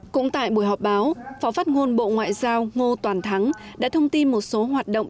cũng tại buổi họp báo phó phát ngôn bộ ngoại giao ngô toàn thắng đã thông tin một số hoạt động